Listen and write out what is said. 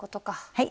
はい。